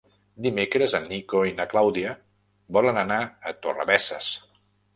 Dimecres en Nico i na Clàudia volen anar a Torrebesses.